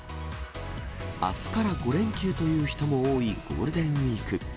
あすから５連休という人も多いゴールデンウィーク。